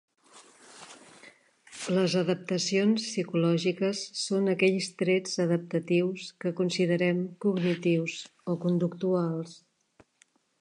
Les adaptacions psicològiques són aquells trets adaptatius que considerem cognitius o conductuals.